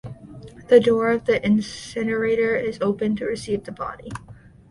The door of the incinerator is opened to receive the body.